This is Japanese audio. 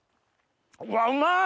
うわうまい！